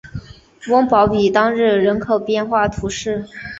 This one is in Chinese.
翁堡比当日人口变化图示